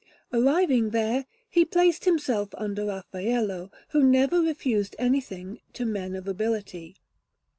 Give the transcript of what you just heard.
Arriving there, he placed himself under Raffaello, who never refused anything to men of ability.